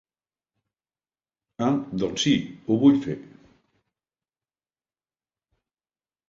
Ah doncs si, ho vull fer.